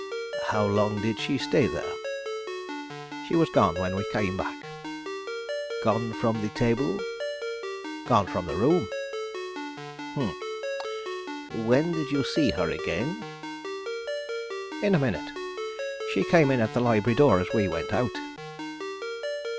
"How long did she stay there?" "She was gone when we came back." "Gone from the table?" "Gone from the room." "Humph! when did you see her again?" "In a minute. She came in at the library door as we went out."